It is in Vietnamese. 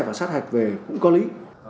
và sát hạch về cũng có lý